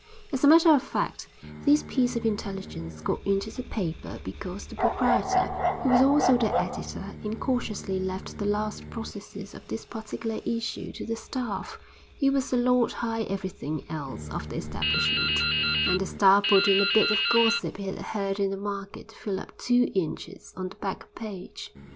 As a matter of fact, this piece of intelligence got into the paper because the proprietor, who was also the editor, incautiously left the last processes of this particular issue to the staff, who was the Lord High Everything Else of the establishment; and the staff put in a bit of gossip he had heard in the market to fill up two inches on the back page.